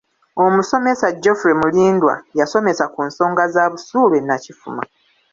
Omusomesa Geofrey Mulindwa yasomesa ku nsonga za busuulu e Nakifuma.